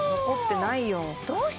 残ってないよ